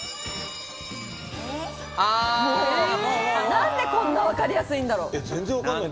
なんでこんなにわかりやすいんだろう。